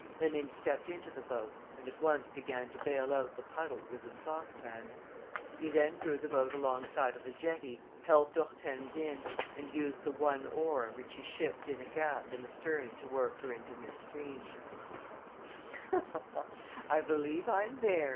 Rénine stepped into the boat and at once began to bale out the puddles with his saucepan. He then drew the boat alongside of the jetty, helped Hortense in and used the one oar which he shipped in a gap in the stern to work her into midstream: "I believe I'm there!"